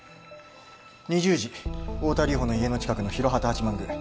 ２０時太田梨歩の家の近くの廣幡八幡宮